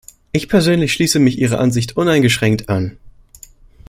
Ich persönlich schließe mich Ihrer Ansicht uneingeschränkt an.